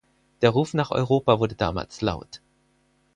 Der Ruf nach Europa wurde damals laut.